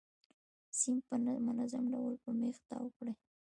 سیم په منظم ډول په میخ تاو کړئ.